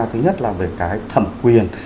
thứ nhất là về cái thẩm quyền